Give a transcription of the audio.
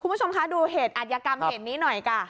คุณผู้ชมคะดูเหตุอัธยกรรมเหตุนี้หน่อยค่ะ